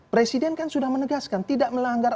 presiden kan sudah menegaskan tidak melanggar